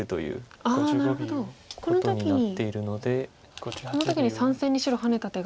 この時に３線に白ハネた手が光ってますね。